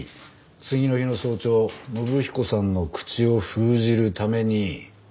次の日の早朝信彦さんの口を封じるために。